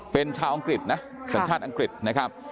เป็นชาวอังกฤษนะสัญชาติอังกฤษนะครับ